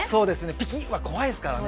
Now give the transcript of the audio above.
ピキッ！は怖いですからね。